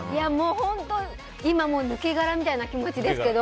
本当、今抜け殻みたいな気持ちですけど。